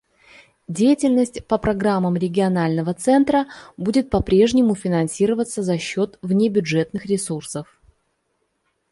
Деятельность по программам Регионального центра будет попрежнему финансироваться за счет внебюджетных ресурсов.